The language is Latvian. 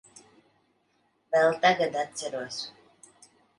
Vēl tagad atceros.